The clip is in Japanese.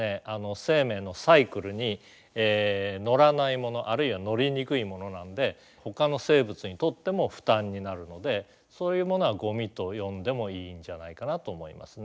生命のサイクルに乗らないものあるいは乗りにくいものなんでほかの生物にとっても負担になるのでそういうものはゴミと呼んでもいいんじゃないかなと思いますね。